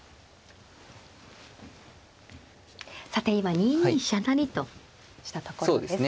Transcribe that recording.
さて今２二飛車成としたところです。